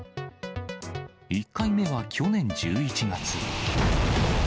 １回目は去年１１月。